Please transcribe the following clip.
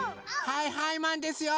はいはいマンですよ！